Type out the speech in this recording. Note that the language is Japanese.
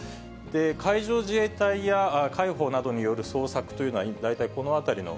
海上自衛隊や海保などによる捜索というのは、大体この辺りの。